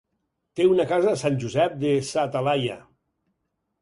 Té una casa a Sant Josep de sa Talaia.